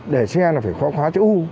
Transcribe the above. để xe là phải khó khóa chỗ u